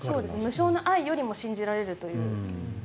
無償の愛よりも信じられるという。